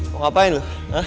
mau ngapain lu